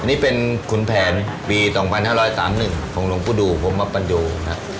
อันนี้เป็นขุนแผนปี๒๕๓๑ของหลวงปุฎูพรมปะปัญโยนะครับ